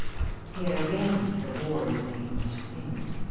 Here again the War is making us think.